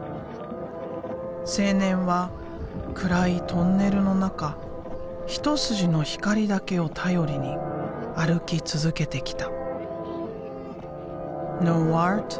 青年は暗いトンネルの中一筋の光だけを頼りに歩き続けてきた。